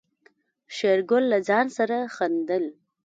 شېرګل له ځان سره خندل.